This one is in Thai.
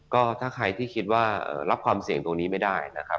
ก็ถ้าใครที่คิดว่ารับความเสี่ยงตรงนี้ไม่ได้นะครับ